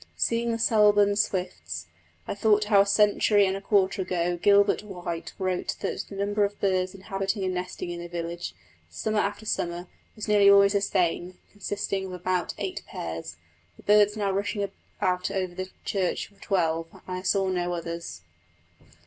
Seeing the Selborne swifts, I thought how a century and a quarter ago Gilbert White wrote that the number of birds inhabiting and nesting in the village, summer after summer, was nearly always the same, consisting of about eight pairs. The birds now rushing about over the church were twelve, and I saw no others.